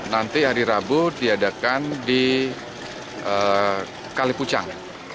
nanti hari rabu diadakan di kalipucang